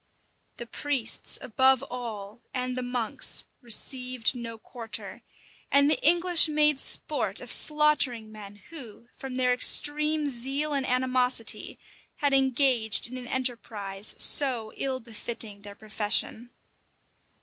The priests, above all, and the monks, received no quarter; and the English made sport of slaughtering men who, from their extreme zeal and animosity, had engaged in an enterprise so ill befitting their profession.